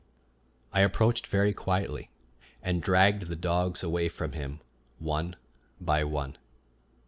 I approached very quietly, and dragged the dogs away from him, one by one.